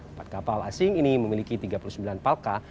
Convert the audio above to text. empat kapal asing ini memiliki tiga puluh sembilan palka